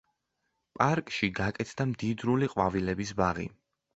პარკში გაკეთდა მდიდრული ყვავილების ბაღი.